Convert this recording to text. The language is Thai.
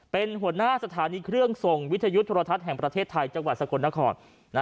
เป็นหัวหน้าสถานีเครื่องส่งวิทยุโทรทัศน์แห่งประเทศไทยจังหวัดสกลนคร